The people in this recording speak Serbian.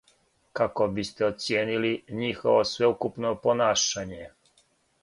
Како бисте оцијенили њихово свеукупно понашање?